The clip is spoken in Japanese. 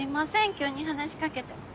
急に話し掛けて。